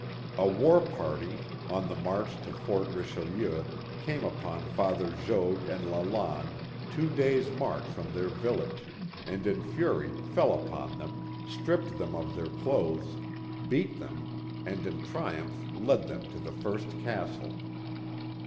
A war party on the march 4« The Mohawk Valley to Fort Richelieu came upon Father Jogues and Lalande two days* march from their village, and in fury fell upon them, stripped them of their clothes, beat them, and in triumph led them to the first castle.